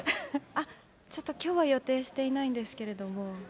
あっ、ちょっときょうは予定してないんですけれども。